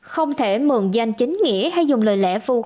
không thể mượn danh chính nghĩa hay dùng lời lẽ vù khóng